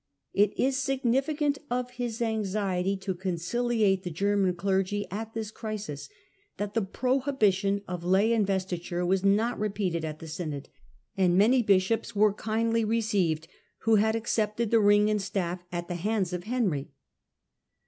^ It is significant of his anxiety to con cilate the German clergy at this crisis, that the prohi bition of lay investiture was not repeated at the synod, and many bishops were kindly received who had ac cepted the ring and staflF at the hands of Henry.